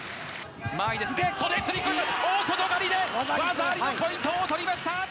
袖釣り込み、大外刈りで技ありのポイントを取りました。